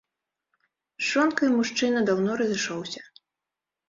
З жонкай мужчына даўно разышоўся.